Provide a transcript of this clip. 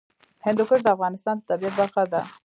هندوکش د افغانستان د طبیعت برخه ده.